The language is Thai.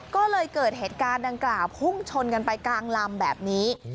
ก็เลยเกิดเหตุการณ์ดังกล่าวพุ่งชนกันไปกลางลำแบบนี้